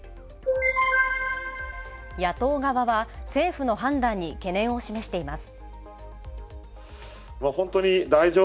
野党側は、政府の判断に懸念を示しています。